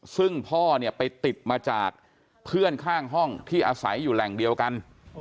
ซึ่งพ่อเนี่ยไปติดมาจากเพื่อนข้างห้องที่อาศัยอยู่แหล่งเดียวกัน